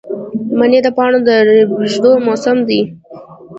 منی د پاڼو ریژیدو موسم دی